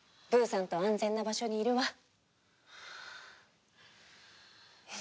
ぶーさんと安全な場所にいるわ。